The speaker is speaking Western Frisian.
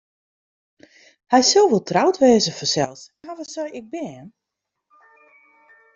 Hy sil wol troud wêze fansels en hawwe se ek bern?